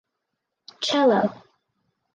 Cello.